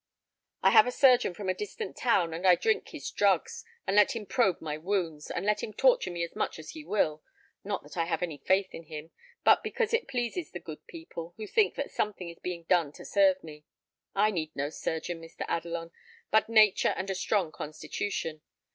I have a surgeon from a distant town, and I drink his drugs, and let him probe my wounds, and let him torture me as much as he will; not that I have any faith in him, but because it pleases the good people, who think that something is being done to serve me. I need no surgeon, Mr. Adelon, but nature and a strong constitution.